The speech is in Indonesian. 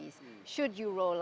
apakah anda akan